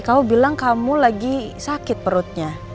kamu bilang kamu lagi sakit perutnya